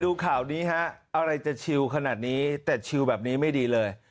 ดูข่าวนี้ฮะอะไรจะชิวขนาดนี้แต่ชิลแบบนี้ไม่ดีเลย